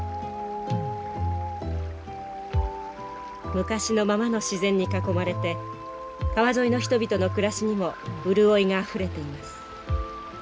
昔のままの自然に囲まれて川沿いの人々の暮らしにも潤いがあふれています。